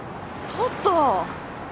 ちょっと。